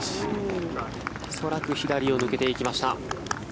恐らく左を抜けていきました。